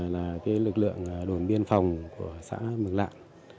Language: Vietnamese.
lực lượng đồn biên phòng của xã mừng lạng